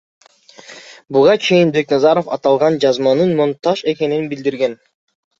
Буга чейин Бекназаров аталган жазманын монтаж экенин билдирген.